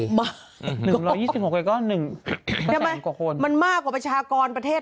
ยี่สิบหกก็หนึ่งเป็นแสนกว่าคนมันมากกว่าประชากรประเทศ